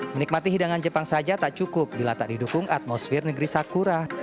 menikmati hidangan jepang saja tak cukup bila tak didukung atmosfer negeri sakura